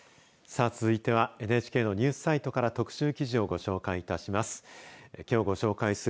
さあ、続いてはＮＨＫのニュースサイトから特集記事をご紹介いたします。